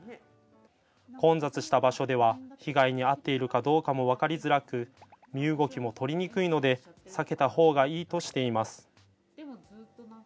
混雑した場所では被害に遭っているかどうかも分かりづらく身動きも取りにくいので避けたほうがいいとしています。